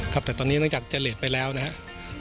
ครับแต่ตอนนี้นอกจากจะเลสไปแล้วนะครับ